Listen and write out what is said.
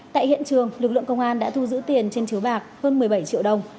tại hiện trường lực lượng công an đã thu giữ tiền trên chiếu bạc hơn một mươi bảy triệu đồng